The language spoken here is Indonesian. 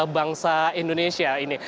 bangsa indonesia ini